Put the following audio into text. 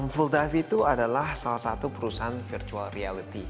full dive itu adalah salah satu perusahaan virtual reality